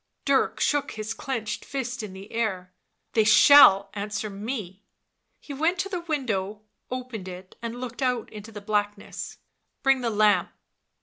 Dirk shook his clenched fist in the air. " They shall answer me." He went to the window, opened it and looked out into blackness. " Bring the lamp."